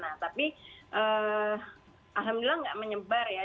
nah tapi alhamdulillah nggak menyebar ya